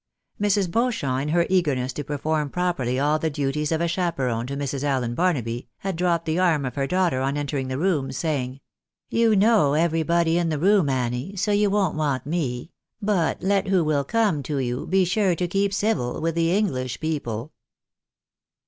Mrs. Beauchamp, in her eagerness to perform properly all the duties of a chaperon to Mrs. Allen Barnaby, had dropped the arm of her daughter on entering the room, saying —" You know everybody in the room, Annie, so you won't want me ; but let who will come to you, be sure to keep civil with the English people."